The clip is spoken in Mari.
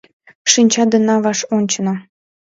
Шинча денна ваш ончена